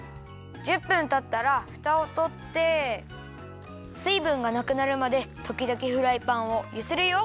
１０分たったらフタをとってすいぶんがなくなるまでときどきフライパンをゆするよ。